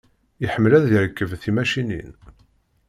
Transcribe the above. Iḥemmel ad yerkeb timacinin.